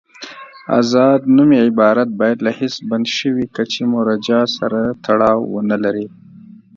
آزاد نومي عبارت باید له هېڅ بند شوي کچې مرجع سره تړاو ونلري.